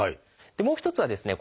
もう一つはですね